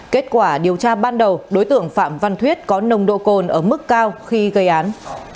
kết quả điều tra ban đầu đối tượng phạm văn thuyết có nồng độ cồn ở mức cao khi gây án